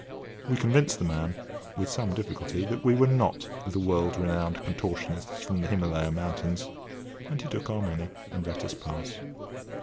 We convinced the man, with some difficulty, that we were not "the world renowned contortionists from the Himalaya Mountains," and he took our money and let us pass.